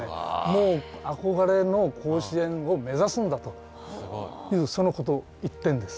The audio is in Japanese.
もうあこがれの甲子園を目指すんだというそのこと一点です。